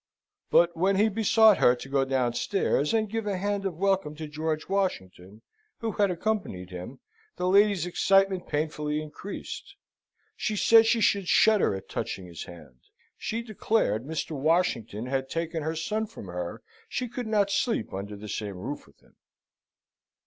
But when he besought her to go downstairs, and give a hand of welcome to George Washington, who had accompanied him, the lady's excitement painfully increased. She said she should shudder at touching his hand. She declared Mr. Washington had taken her son from her, she could not sleep under the same roof with him.